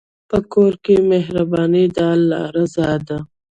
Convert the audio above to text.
په کور کې مهرباني د الله رضا ده.